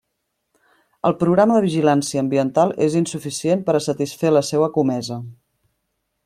El programa de vigilància ambiental és insuficient per a satisfer la seua comesa.